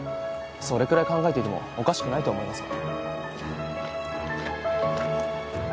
それくらい考えていてもおかしくないと思いますが。